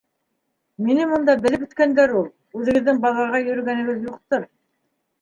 Мине мында белеп бөткәндәр ул. Үҙегеҙҙең баҙарға йөрөгәнегеҙ юҡтыр.